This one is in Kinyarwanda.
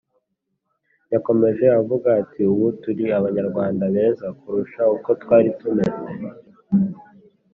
Yakomeje avuga ati ubu turi abanyarwanda beza kurusha uko twari tumeze